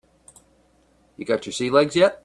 You got your sea legs yet?